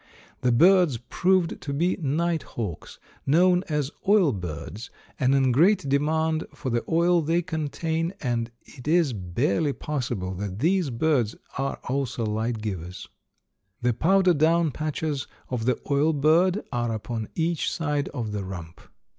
The birds proved to be night hawks, known as oil birds, and in great demand for the oil they contain, and it is barely possible that these birds are also light givers. The powder down patches of the oil bird are upon each side of the rump.